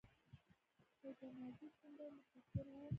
سید جمال الدین کوم ډول مفکر و؟